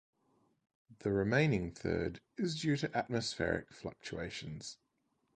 The remaining third is due to atmospheric fluctuations.